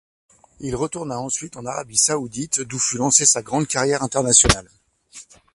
Il retourna ensuite en Arabie Saoudite d'où fut lancée sa grande carrière internationale.